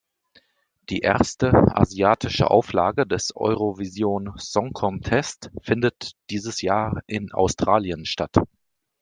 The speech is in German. Die erste asiatische Auflage des Eurovision Song Contest findet dieses Jahr in Australien statt.